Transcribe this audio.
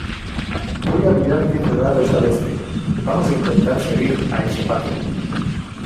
voy a virar diez grados al Este. vamos a intentar seguir a ese pato .